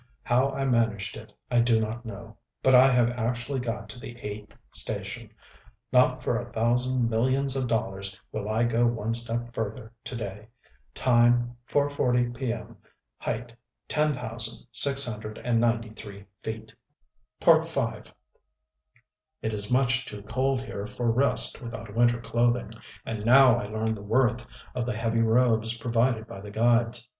How I managed it, I do not know; but I have actually got to the eighth station! Not for a thousand millions of dollars will I go one step further to day. Time, 4:40 p. m. Height, 10,693 feet. V It is much too cold here for rest without winter clothing; and now I learn the worth of the heavy robes provided by the guides.